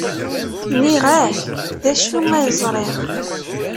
Nniɣ-ak d acu ay ẓriɣ.